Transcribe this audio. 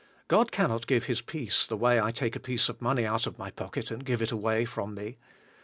God cannot give His peace the way I take a piece of money out of my pocket and gire it away from me.